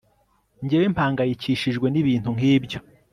Njyewe mpangayikishijwe nibintu nkibyo